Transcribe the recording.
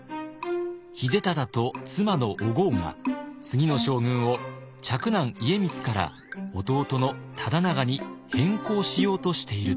秀忠と妻のお江が次の将軍を嫡男家光から弟の忠長に変更しようとしていると。